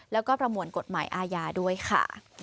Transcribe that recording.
แล้วก็ประมวลกฎหมายอาญาด้วยค่ะ